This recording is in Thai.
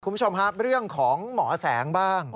คุณผู้ชมครับเรื่องของหมอแสงบ้าง